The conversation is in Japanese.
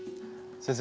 先生。